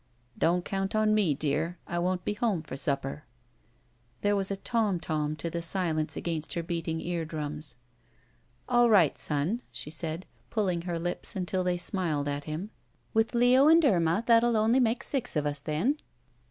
"Don't cotmt on me, dear. I won't be home for supper." There was a tom tom to the silence against her beating ear drums. "All right, son," she said, pulling her lips tmtil they smiled at him, "with Leo and Irma that 'U only make six of us, then."